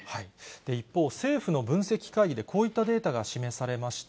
一方、政府の分析会議でこういったデータが示されました。